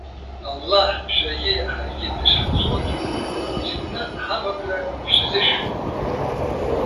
Аллаҳ шәаргьы, ҳаргьы дышҳанцәоугьы, уи изкны ҳамакра шәҽазышәшәома?